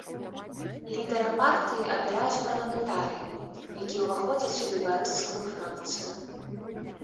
Лідара партыі абіраюць парламентарыі, якія ўваходзяць у лейбарысцкую фракцыю.